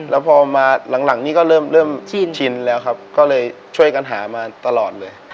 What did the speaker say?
แล้วพอมาหลังนี้ก็เริ่มชินแล้วครับก็เลยช่วยกันหามาตลอดเลย